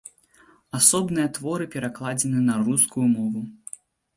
Асобныя творы перакладзены на рускую мову.